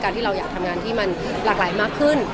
ที่เราอยากทำงานที่มันหลากหลายมากขึ้น